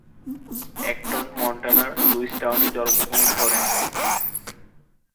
Acton মন্টানার লুইসটাউনে জন্মগ্রহণ করেন।